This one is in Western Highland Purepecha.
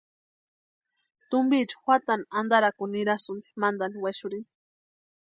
Tumpiecha juatani antarakuni nirasïnti mantani wexurhini.